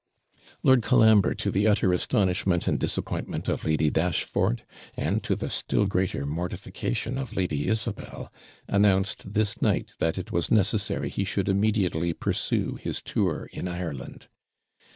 Lord Colambre, to the utter astonishment and disappointment of Lady Dashfort, and to the still greater mortification of Lady Isabel, announced this night that it was necessary he should immediately pursue his tour in Ireland.